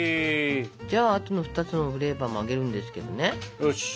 じゃああとの２つのフレーバーも揚げるんですけどね。